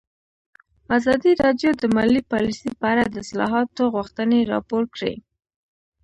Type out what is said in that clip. ازادي راډیو د مالي پالیسي په اړه د اصلاحاتو غوښتنې راپور کړې.